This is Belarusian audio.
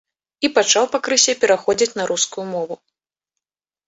І пачаў пакрысе пераходзіць на рускую мову.